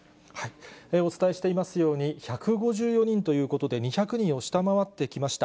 お伝えしていますように、１５４人ということで、２００人を下回ってきました。